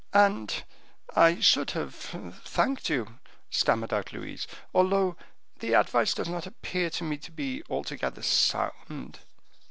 "And I should have thanked you," stammered out Louise, "although the advice does not appear to me to be altogether sound."